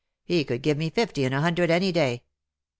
He could give me fifty in a hundred any day.